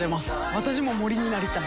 私も森になりたい。